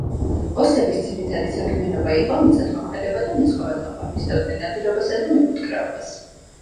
ოსების ძირითადი საქმიანობა იყო მიწათმოქმედება და მეცხოველეობა, მისდევდნენ ნადირობასა და მეფუტკრეობას.